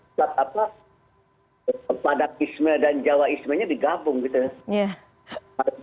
setelah apa padatisme dan jawaisme nya digabung gitu ya